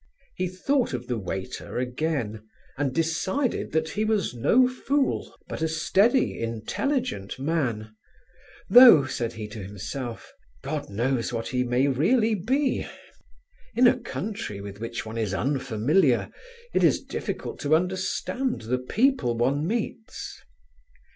He thought of the waiter again, and decided that he was no fool, but a steady, intelligent man: though, said he to himself, "God knows what he may really be; in a country with which one is unfamiliar it is difficult to understand the people one meets."